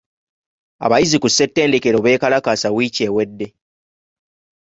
Abayizi ku ssettendekero beekalakaasa wiiki ewedde.